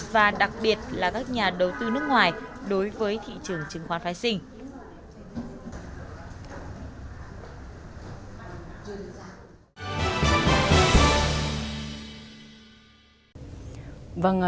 và đặc biệt là các nhà đầu tư nước ngoài đối với thị trường chứng khoán phái sinh